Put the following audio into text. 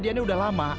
itu sudah lama